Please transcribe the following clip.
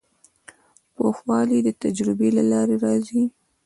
پوخوالی د تجربې له لارې راځي.